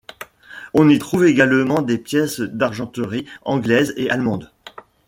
On y trouve également des pièces d’argenterie anglaises et allemandes.